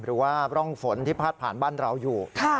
หรือว่าร่องฝนที่พาดผ่านบ้านเราอยู่